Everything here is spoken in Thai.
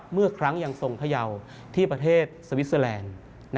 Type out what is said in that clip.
เมื่อครั้งยังทรงพยาวที่ประเทศสวิสเตอร์แลนด์